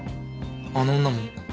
あの女も？